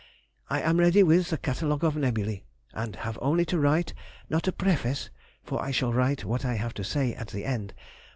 I am ready with the Catalogue of Nebulæ, and have only to write, not a Preface, for I shall write what I have to say at the end....